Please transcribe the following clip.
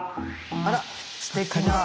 あらすてきな。